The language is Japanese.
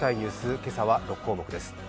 今日は６項目です。